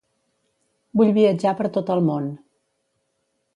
Vull viatjar per tot el món.